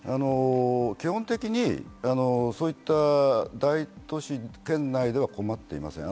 基本的にそういった大都市圏内では困っていません。